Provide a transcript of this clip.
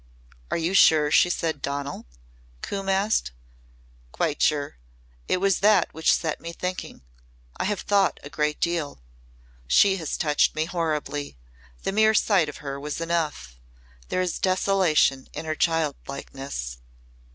"Are you sure she said 'Donal'?" Coombe asked. "Quite sure. It was that which set me thinking. I have thought a great deal. She has touched me horribly. The mere sight of her was enough. There is desolation in her childlikeness."